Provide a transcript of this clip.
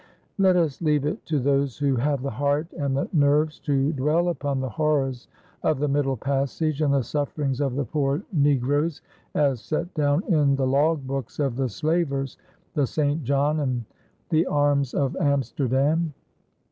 Let us leave it to those who have the heart and the nerves to dwell upon the horrors of the middle passage and the sufferings of the poor negroes as set down in the log books of the slavers, the St. John and the Arms of Amsterdam.